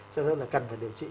cho nên là cần phải điều trị